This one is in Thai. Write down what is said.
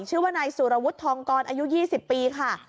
ชื่อว่านายสุรวุฒิทองกรอายุ๒๐ปีค่ะ